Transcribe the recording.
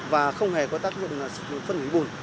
và không hề có tác dụng phân hủy bùn